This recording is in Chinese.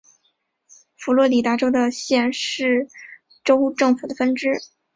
佛罗里达州的县是州政府的分支。